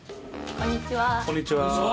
こんにちは。